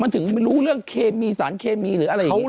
มันถึงไม่รู้เรื่องเคมีสารเคมีหรืออะไรอย่างนี้